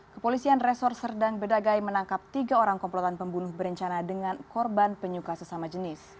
kepolisian resor serdang bedagai menangkap tiga orang komplotan pembunuh berencana dengan korban penyuka sesama jenis